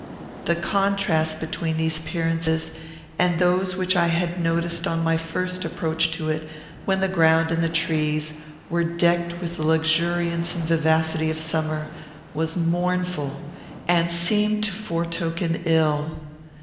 The contrast between these appearances and those which I had noticed on my first approach to it, when the ground and the trees were decked with the luxuriance and vivacity of summer, was mournful, and seemed to foretoken ill.